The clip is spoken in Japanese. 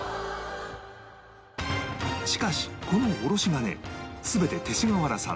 しかしこのおろし金全て勅使川原さんの手作り